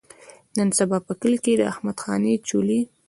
نن سبا په کلي کې احمد خاني چولي.